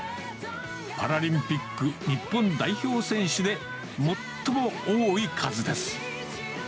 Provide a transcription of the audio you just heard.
パラリンピック日本代表選手で最も多い数です。